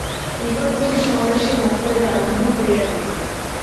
নিকটবর্তী শহরে সে মোক্তারি আরম্ভ করিয়া দিল।